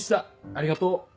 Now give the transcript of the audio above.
ありがとう。